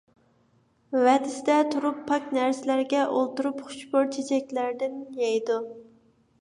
ۋەدىسىدە تۇرۇپ، پاك نەرسىلەرگە ئولتۇرۇپ، خۇشبۇي چېچەكلەردىن يەيدۇ.